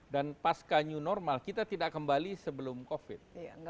dan pasca new normal kita tidak kembali sebelum covid